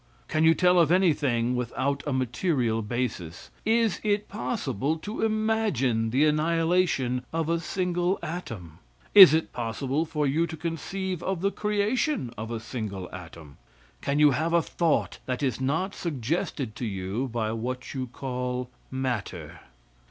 Can you tell of anything without a material basis? Is it possible to imagine the annihilation of a single atom? Is it possible for you to conceive of the creation of a single atom? Can you have a thought that is not suggested to you by what you call matter?